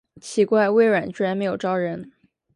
奇怪，微软居然没有招人